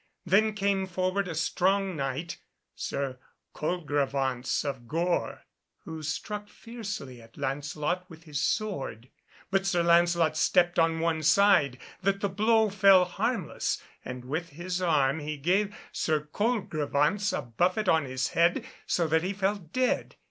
Then came forward a strong Knight, Sir Colegrevance of Gore, who struck fiercely at Lancelot with his sword. But Sir Lancelot stepped on one side, that the blow fell harmless, and with his arm he gave Sir Colgrevance a buffet on the head so that he fell dead.